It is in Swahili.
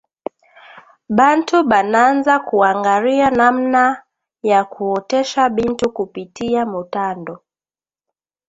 Bantu bananza ku angariya namuna ya kuotesha bintu kupitiya mutando